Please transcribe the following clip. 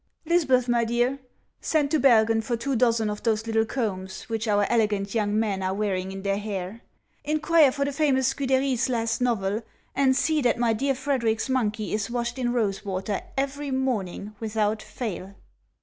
" Lisbeth, my dear, send to Bergen for two dozen of those little combs which our elegant young men are wear ing in their hair, inquire for the famous Seude'ry's last novel, and see that my dear Frederic's monkey is washed in rose water every morning, without fail."